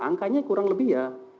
angkanya kurang lebih ya